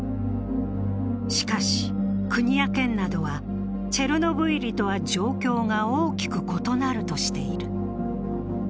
しかし、国や県などはチェルノブイリとは状況が大きく異なるとしている。